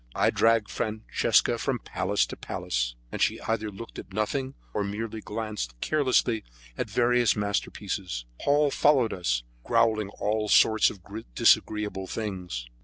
I dragged Francesca from palace to palace, and she either looked at nothing or merely glanced carelessly at the various masterpieces. Paul followed us, growling all sorts of disagreeable things.